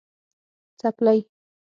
🩴څپلۍ